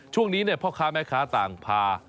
ช่วงนี้พ่อค้าแม่ค้าต่างพา